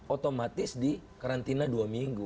otomatis di karantina dua minggu